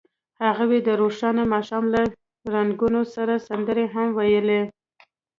هغوی د روښانه ماښام له رنګونو سره سندرې هم ویلې.